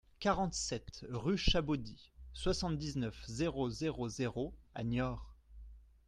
quarante-sept rue Chabaudy, soixante-dix-neuf, zéro zéro zéro à Niort